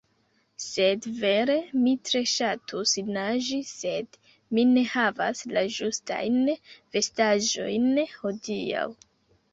Sed vere, mi tre ŝatus naĝi sed mi ne havas la ĝustajn vestaĵojn hodiaŭ